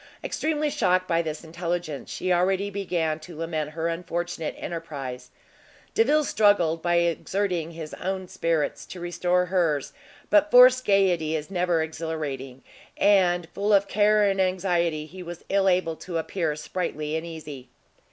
Extremely shocked by this intelligence, she already began to lament her unfortunate enterprise. Delvile struggled, by exerting his own spirits, to restore hers, but forced gaiety is never exhilarating; and, full of care and anxiety, he was ill able to appear sprightly and easy.